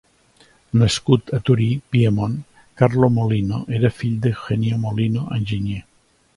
Nascut a Torí, Piemont, Carlo Mollino era fill d'Eugenio Mollino, enginyer.